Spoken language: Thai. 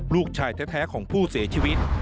ลูกชายแท้ของผู้เสียชีวิต